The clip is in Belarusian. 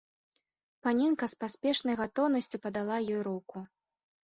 Паненка з паспешнай гатоўнасцю падала ёй руку.